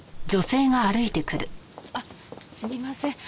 あっすみません。